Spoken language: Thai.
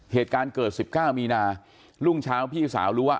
เหตุการณ์เกิด๑๙มีนารุ่งเช้าพี่สาวรู้ว่า